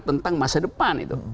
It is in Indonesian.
tentang masa depan